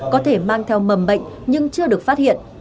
có thể mang theo mầm bệnh nhưng chưa được phát hiện